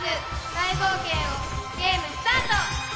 大冒険をゲームスタート！